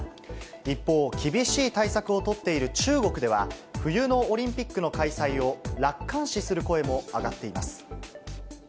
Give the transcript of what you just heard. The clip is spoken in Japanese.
一方、厳しい対策を取っている中国では、冬のオリンピックの開催を楽観視する声も上がっています。